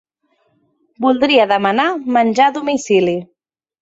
Voldria demanar menjar a domicili.